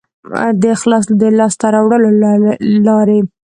د اخلاص د لاسته راوړلو لارې